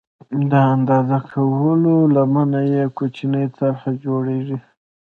د اندازه کولو لمنه یې کوچنۍ طرحه او جوړېږي.